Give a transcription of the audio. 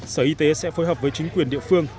sở y tế sẽ phối hợp với chính quyền địa phương